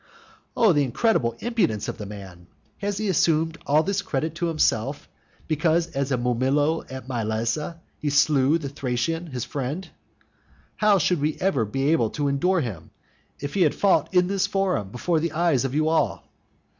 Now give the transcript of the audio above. Oh the incredible impudence of the man! Has he assumed all this credit to himself, because as a mumillo at Mylasa he slew the Thracian, his friend? How should we be able to endure him, if he had fought in this forum before the eyes of you all?